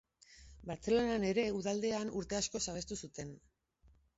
Bartzelonan ere udaldean urte askoz abestu zuten.